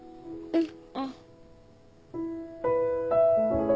うん。